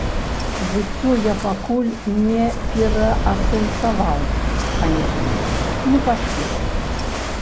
Жыццё я пакуль не пераасэнсаваў, канечне, не паспеў.